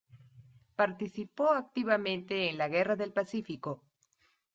Participó activamente en la Guerra del Pacífico.